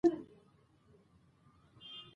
افغانستان له د کلیزو منظره ډک دی.